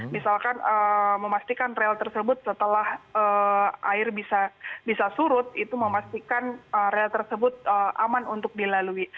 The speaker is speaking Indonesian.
misalkan memastikan rel tersebut setelah air bisa surut itu memastikan rel tersebut aman untuk dilalui